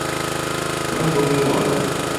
Yəŋ bə mû a.